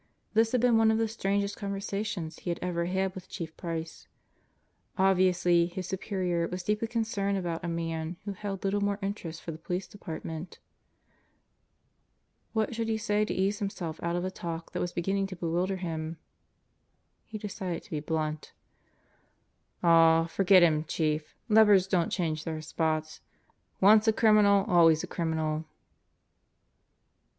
This had been one of the strangest conversations he had ever had with Chief Price. Obviously, his superior was deeply concerned about a man who held little more interest for the Police Department. What should he say to ease himself out of a talk that was beginning to bewilder him? He decided to be blunt. "Aw, forget him, Chief. Leopards don't change their spots. Once a criminal always a criminal."